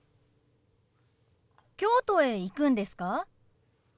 京都へ行くんですか？